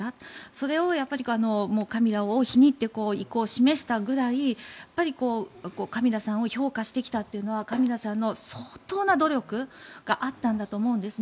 それをカミラ王妃にと意向を示したぐらいカミラさんを評価してきたというのはカミラさんの相当な努力があったんだと思うんです。